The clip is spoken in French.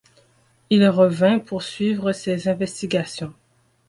Il revint poursuivre ses investigations.